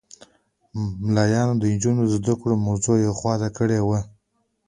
ملایانو د نجونو د زده کړو موضوع یوه خوا ته کړې وه.